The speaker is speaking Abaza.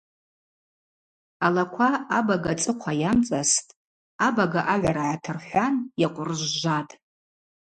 Алаква абага цӏыхъва йамцӏастӏ, абага агӏвара йгӏатырхӏван йакъвыржвжватӏ.